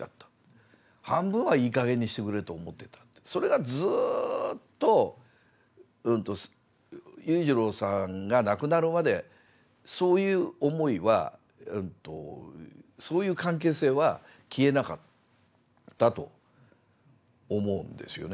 それがずっと裕次郎さんが亡くなるまでそういう思いはそういう関係性は消えなかったと思うんですよね。